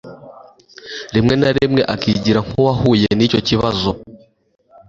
rimw na rimwe akigira nkuwahuye nicyo kibazo